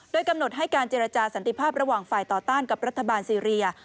โดยกำหนดให้การเจรจาสันติภาพระหว่างฝ่ายต่อต้านกับรัฐบาลซีเรีย